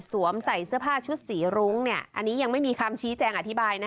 ใส่เสื้อผ้าชุดสีรุ้งอันนี้ยังไม่มีคำชี้แจงอธิบายนะ